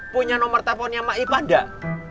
punya nomer teleponnya mak ipa gak